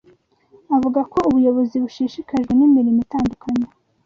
avuga ko ubuyobozi bushishikajwe n'imirimo itandukanye